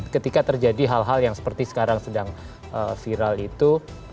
ketika terjadi hal hal yang seperti sekarang sedang viral itu